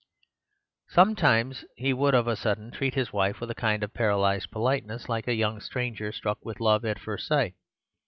"Sometimes he would, of a sudden, treat his wife with a kind of paralyzed politeness, like a young stranger struck with love at first sight.